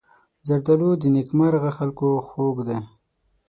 زردالو د نېکمرغه خلکو خوږ دی.